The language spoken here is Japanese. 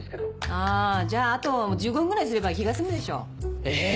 あじゃああと１５分ぐらいすれば気が済むでしょ。え！